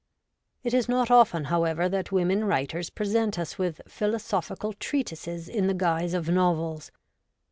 It is not often, however, that women writers present us with philosophical treatises in the guise of novels.